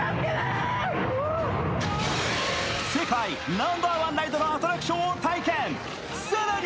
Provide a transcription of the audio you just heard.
ナンバーワン、ライドのアトラクションを体験。